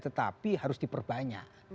tetapi harus diperbanyak